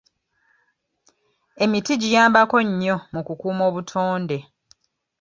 Emiti giyambako nnyo mu kukuuma obutonde.